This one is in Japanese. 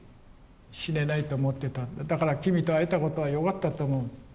だから君と会えたことはよかったと思う。